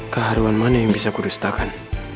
keharuan mana yang bisa kurustakan